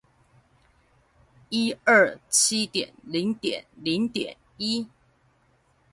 一二七點零點零點一